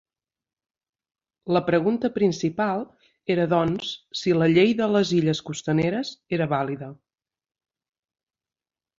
La pregunta principal era, doncs, si la "Llei de les Illes Costaneres" era vàlida.